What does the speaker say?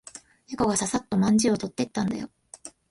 猫がささっとまんじゅうを取ってったんだよ。